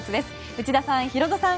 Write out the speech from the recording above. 内田さん、ヒロドさん